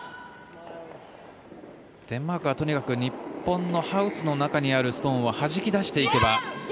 デンマークは日本のハウスの中にあるストーンをはじき出していけば。